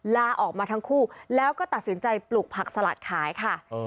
ลาออกมาทั้งคู่แล้วก็ตัดสินใจปลูกผักสลัดขายค่ะ